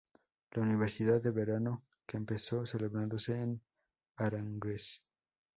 La universidad de verano que empezó celebrándose en Aranjuez.